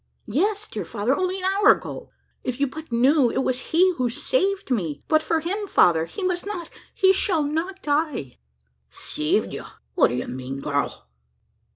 "Yes, dear father! only an hour ago. If you but knew it was he who saved me. But for him Father! he must not he shall not die!" "Saved ye? What do ye mean, gurl?"